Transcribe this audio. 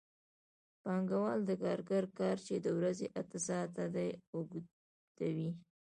پانګوال د کارګر کار چې د ورځې اته ساعته دی اوږدوي